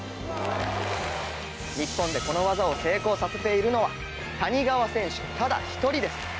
日本でこの技を成功させているのは谷川選手ただ１人です。